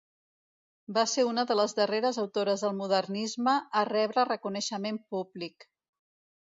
Va ser una de les darreres autores del modernisme a rebre reconeixement públic.